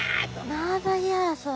縄張り争い。